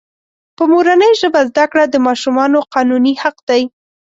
په مورنۍ ژبه زده کړه دماشومانو قانوني حق دی.